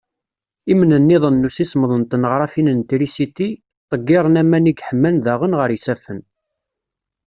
Imnenniḍen n ussismeḍ n tneɣrafin n trisiti, ḍeggiren aman i yeḥman daɣen ɣer yisaffen.